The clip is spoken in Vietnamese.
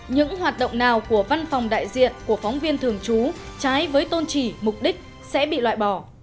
những hoạt động nào của văn phòng đại diện của phóng viên thường trú trái với tôn trì mục đích sẽ bị loại bỏ